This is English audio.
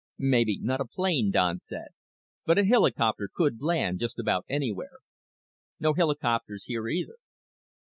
"Maybe not a plane," Don said, "but a helicopter could land just about anywhere." "No helicopters here, either."